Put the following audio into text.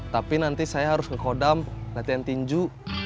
tapi nanti saya harus ke kodam latihan tinju